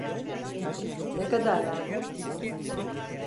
Ne kadar lazım?